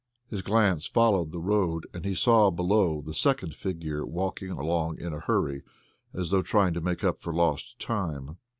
His glance followed the road, and he saw below the second figure walking along in a hurry, as though to make up for lost time.